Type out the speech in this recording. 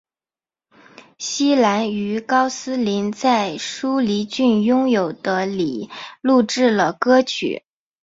希兰于高斯林在舒梨郡拥有的里录制了歌曲。